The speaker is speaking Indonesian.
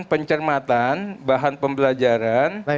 pencermatan bahan pembelajaran